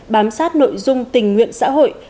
bám sát nội dung tình nguyện xã hội